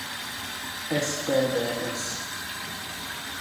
S.p.d.s.